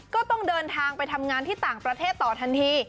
ก็ต้องเดินทางไปทำงานที่ต่างประเทศต่อทันที